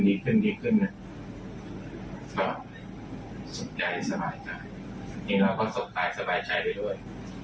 เมื่อเราสุขใจสบายใจแล้วเราก็มีอะไรเราก็บอกเจอที่ไป